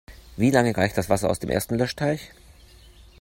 Wie lange reicht das Wasser aus dem ersten Löschteich?